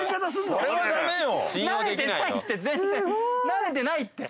慣れてないって！